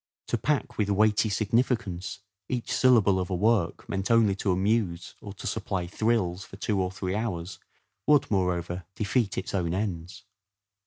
To pack with weighty significance each syllable of a work meant only to amuse or to supply thrills for two or three hours would, moreover, defeat its own ends.